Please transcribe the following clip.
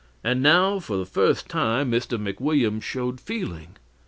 And now for the first time Mr. McWilliams showed feeling.